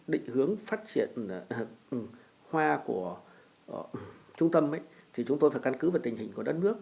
định hướng phát triển khoa của trung tâm thì chúng tôi phải căn cứ vào tình hình của đất nước